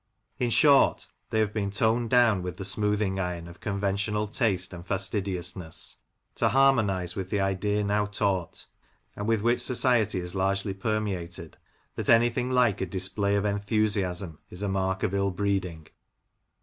In short, they have been toned down with the smoothing iron of conventional taste and fastidiousness to harmonise with the idea now taught, and with which society is largely per meated, that anything like a display of enthusiasm is a mark of ill breeding.